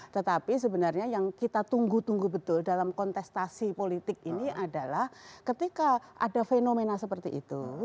tetapi sebenarnya yang kita tunggu tunggu betul dalam kontestasi politik ini adalah ketika ada fenomena seperti itu